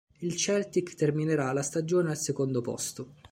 Il Celtic terminerà la stagione al secondo posto.